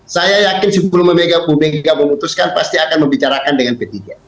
saya yakin sebelum bu mega memutuskan pasti akan membicarakan dengan p tiga